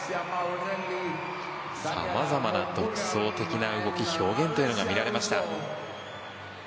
さまざまな独創的な動き表現が見られました。